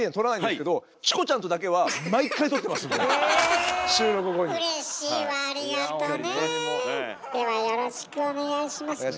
ではよろしくお願いします。